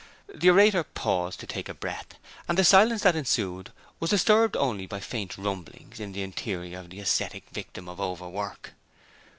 The orator paused to take breath, and the silence that ensued was disturbed only by faint rumblings in the interior of the ascetic victim of overwork.